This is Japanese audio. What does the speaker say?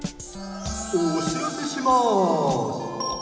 おしらせします。